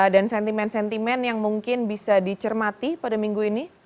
dan sentimen sentimen yang mungkin bisa dicermati pada minggu ini